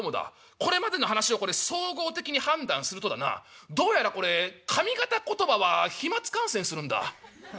これまでの話を総合的に判断するとだなどうやらこれ上方言葉は飛まつ感染するんだ」。